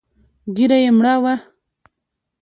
ږيره يې مړه وه.